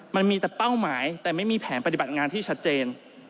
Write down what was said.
มันมีแต่เป้าหมายแต่ไม่มีแผนปฏิบัติงานที่ชัดเจน